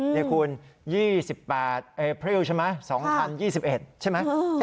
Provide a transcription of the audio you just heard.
นี่คุณ๒๘พริวใช่ไหม๒๐๒๑ใช่ไหม